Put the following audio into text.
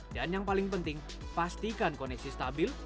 dan yang paling penting pastikan koneksi stabil